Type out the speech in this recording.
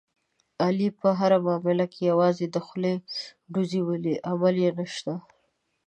علي په هره معامله کې یوازې د خولې ډوزې ولي، عمل یې نشته.